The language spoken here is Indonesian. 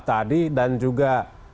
tadi dan juga